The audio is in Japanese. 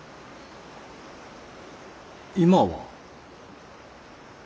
今は。